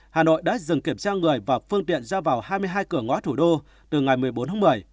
hà nội đã dừng kiểm tra người và phương tiện ra vào hai mươi hai cửa ngõ thủ đô từ ngày một mươi bốn tháng một mươi